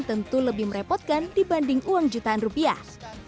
tentu lebih merepotkan dibanding uang jutaan rupiah